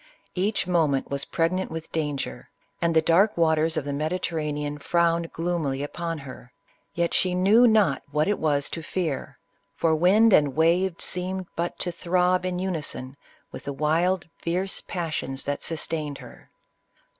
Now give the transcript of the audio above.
Each moment was pregnant with danger, and the dark waters of the Mediterranean frowned gloomily upon her ; yet she knew not what it was to fear, for wind and wave seemed but to throb in unison with the wild, fierce passions that sustained her.